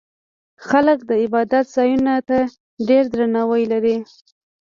خلک د عبادت ځایونو ته ډېر درناوی لري.